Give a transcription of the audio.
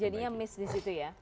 jadinya miss di situ ya